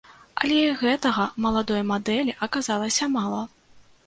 Але і гэтага маладой мадэлі аказалася мала.